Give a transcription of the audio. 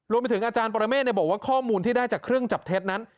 รวมไปถึงอาจารย์ปรเมฆบอกว่าข้อมูลที่ได้จากเครื่องจับเท็จนั้น